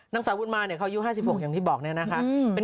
นางสาวบุญมาเนี่ยเขาอายุ๕๖อย่างที่บอกเนี่ยนะคะ